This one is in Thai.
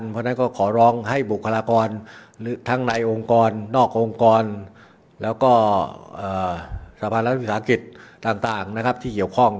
เพราะฉะนั้นก็ขอร้องให้บุคลากรทั้งในองค์กรนอกองค์กรแล้วก็สาธารณะวิทยาศาสตร์อังกฤษต่างที่เกี่ยวข้อง